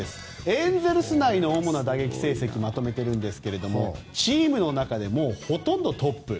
エンゼルス内の主な打撃成績をまとめているんですがチームの中でもうほとんどトップ。